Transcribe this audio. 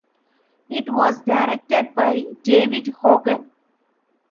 It was directed by David Hogan.